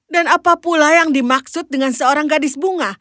dan apa pula yang dimaksud dengan seorang gadis bunga